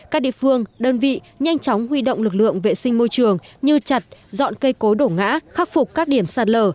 các địa phương đơn vị nhanh chóng huy động lực lượng vệ sinh môi trường như chặt dọn cây cối đổ ngã khắc phục các điểm sạt lở